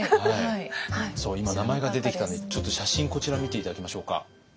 今名前が出てきたんでちょっと写真こちら見て頂きましょうか。